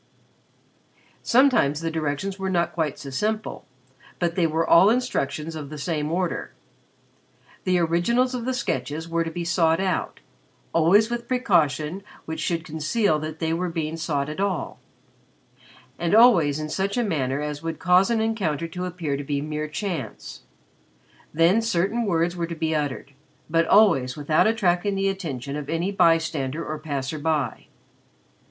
Sometimes the directions were not quite so simple, but they were all instructions of the same order. The originals of the sketches were to be sought out always with precaution which should conceal that they were being sought at all, and always in such a manner as would cause an encounter to appear to be mere chance. Then certain words were to be uttered, but always without attracting the attention of any bystander or passer by.